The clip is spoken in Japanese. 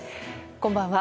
こんばんは。